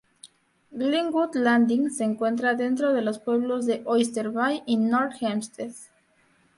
Glenwood Landing se encuentra dentro de los pueblos de Oyster Bay y North Hempstead.